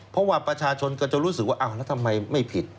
เพราะว่าประชาชนก็จะรู้สึกว่าอ้าวแล้วทำไมไม่ผิด